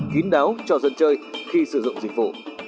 kín đáo cho dân chơi khi sử dụng dịch vụ